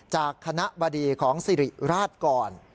จากคณะบดีของสิริราชก่อน